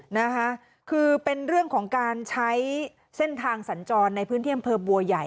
นะคะคือเป็นเรื่องของการใช้เส้นทางสัญจรในพื้นที่อำเภอบัวใหญ่